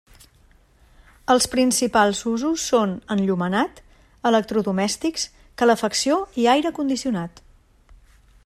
Els principals usos són enllumenat, electrodomèstics, calefacció i aire condicionat.